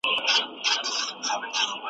ویل ژر سه مُلا پورته سه کښتۍ ته .